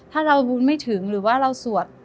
ถ้าเราบุญไม่ถึงหรือว่าเราสวด